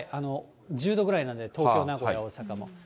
１０度ぐらいなんで、東京、名古屋、大阪も。